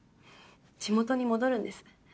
地元に戻るんです。